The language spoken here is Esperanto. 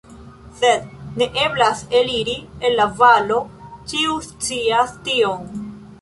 Sed ne eblas eliri el la valo, ĉiu scias tion.